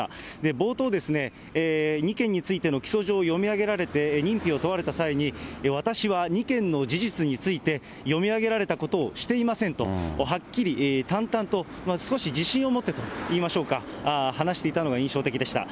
冒頭、２件についての起訴状を読み上げられて認否を問われた際に、私は２件の事実について、読み上げられたことをしていませんと、はっきり淡々と、少し自信を持ってといいましょうか、話していたのが印象的でした。